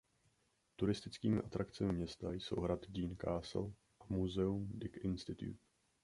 Turistickými atrakcemi města jsou hrad Dean Castle a muzeum Dick Institute.